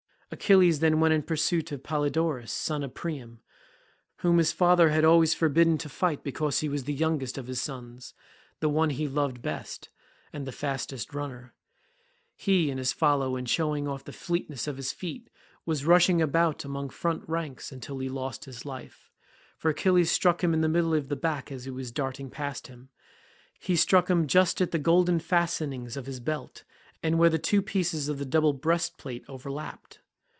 Achilles then went in pursuit of Polydorus son of Priam, whom his father had always forbidden to fight because he was the youngest of his sons, the one he loved best, and the fastest runner. He, in his folly and showing off the fleetness of his feet, was rushing about among front ranks until he lost his life, for Achilles struck him in the middle of the back as he was darting past him: he struck him just at the golden fastenings of his belt and where the two pieces of the double breastplate overlapped.